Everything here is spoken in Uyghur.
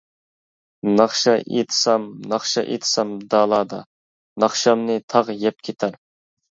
ناخشا ئېيتسام ناخشا ئېيتسام دالادا، ناخشامنى تاغ يەپ كېتەر.